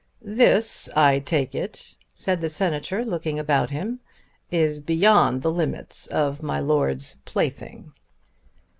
"This I take it," said the Senator looking about him, "is beyond the limits of my Lord's plaything."